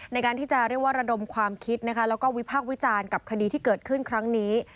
ในการที่จะเรียกว่าระดมความคิดนะคะแล้วก็วิพากษ์วิจารณ์กับคดีที่เกิดขึ้นครั้งนี้